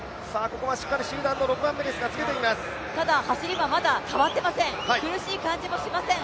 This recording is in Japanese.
ただ走りはまだ変わっていません、苦しい感じもしません。